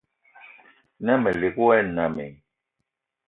Na melig wa e nnam i?